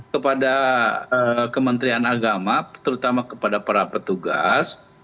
kepada kementerian agama terutama kepada para petugas